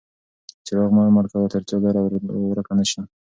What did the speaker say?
څراغ مه مړ کوه ترڅو لاره ورکه نه شي.